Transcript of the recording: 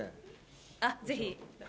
あっぜひ。